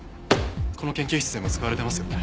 この研究室でも使われてますよね。